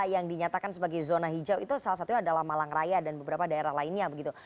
yang dinyatakan sebagai zona hijau itu salah satunya adalah malang raya dan beberapa daerah lainnya begitu